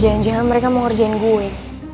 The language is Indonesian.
jangan jangan mereka mau ngerjain gue